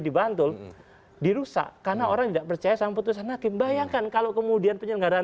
dibantul dirusak karena orang tidak percaya sama putusan hakim bayangkan kalau kemudian penyelenggaraan